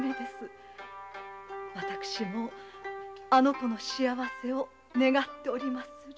私もあの娘の幸せを願っておりまする。